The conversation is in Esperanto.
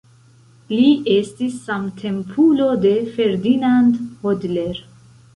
Li estis samtempulo de Ferdinand Hodler.